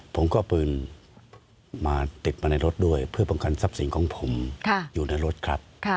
ผมก็เอาปืนมาติดมาในรถด้วยเพื่อป้องกันทรัพย์สินของผมอยู่ในรถครับ